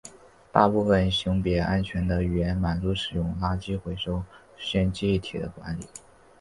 大部分型别安全的语言满足使用垃圾回收实现记忆体的管理。